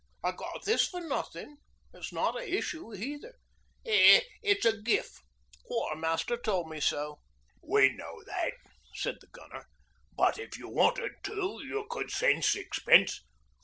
I got this for nothin'. It's not a issue neither. It's a Gif'. Quartermaster tole me so.' 'We know that,' said the Gunner; 'but if you wanted to you could send sixpence.